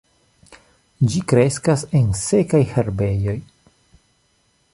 Ĝi kreskas en sekaj herbejoj.